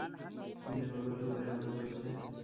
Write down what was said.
দিনের বেলাতেও ঘরে আলো জ্বলছে।